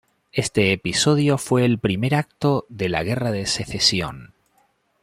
Este episodio fue el primer acto de la Guerra de Secesión.